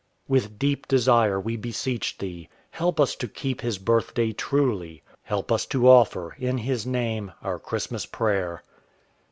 With deep desire we beseech Thee: Help us to keep His birthday truly, Help us to offer, in His name, our Christmas prayer.